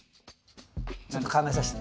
ちょっと考えさせて。